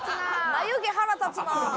眉毛腹立つなあ。